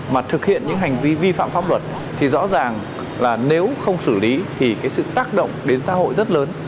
mà thực hiện những hành vi vi phạm pháp luật thì rõ ràng là nếu không xử lý thì cái sự tác động đến xã hội rất lớn